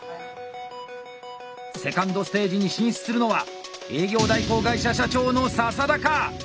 ２ｎｄステージに進出するのは営業代行会社社長の笹田か。